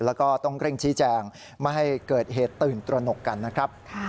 แล้วก็ต้องเร่งชี้แจงไม่ให้เกิดเหตุตื่นตระหนกกันนะครับ